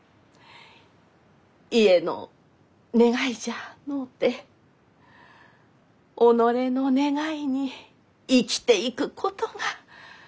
家の願いじゃのうて己の願いに生きていくことが。